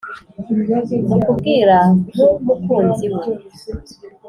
mukubwira nku mukunzi we